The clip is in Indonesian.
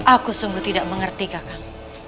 aku sungguh tidak mengerti kakak